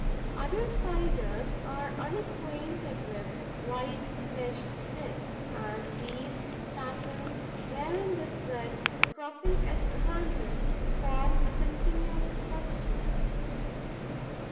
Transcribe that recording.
Other Spiders are unacquainted with wide meshed nets and weave satins wherein the threads, crossing at random, form a continuous substance.